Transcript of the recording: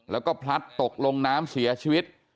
แล้วก็พลัดตกลงน้ำเสียชีวิต